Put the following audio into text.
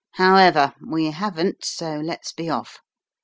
However, we haven't, so let's be off.